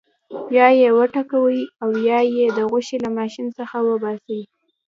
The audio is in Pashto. بیا یې وټکوئ او یا یې د غوښې له ماشین څخه وباسئ.